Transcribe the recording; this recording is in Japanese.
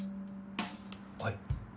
はい。